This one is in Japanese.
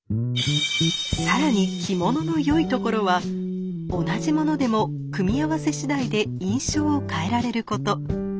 更に着物の良いところは同じ物でも組み合わせ次第で印象を変えられること。